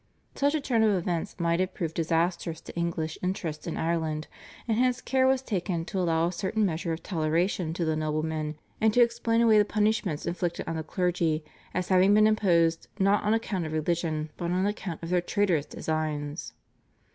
Such a turn of events might have proved disastrous to English interests in Ireland, and hence care was taken to allow a certain measure of toleration to the noblemen, and to explain away the punishments inflicted on the clergy as having been imposed not on account of religion, but on account of their traitorous designs.